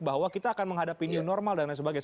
bahwa kita akan menghadapi new normal dan lain sebagainya